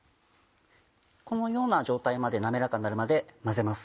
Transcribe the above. このような状態まで滑らかになるまで混ぜます。